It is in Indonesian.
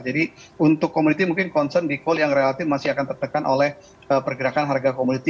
jadi untuk komoditi mungkin concern di call yang relatif masih akan tertekan oleh pergerakan harga komoditi